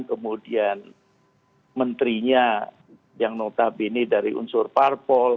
kemudian menterinya yang notabene dari unsur parpol